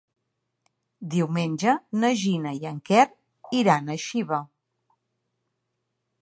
Diumenge na Gina i en Quer iran a Xiva.